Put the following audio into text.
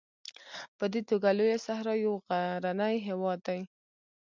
په دې توګه لویه صحرا یو غرنی هېواد دی.